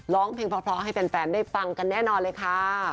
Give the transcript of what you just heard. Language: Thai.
ร้องเพลงเพราะให้แฟนได้ฟังกันแน่นอนเลยค่ะ